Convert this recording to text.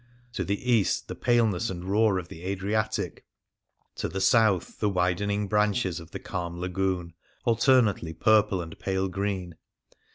To the east, the pale ness and roar of the Adriatic ... to the south, the widening branches of the calm Lagoon, alternately purple and pale green.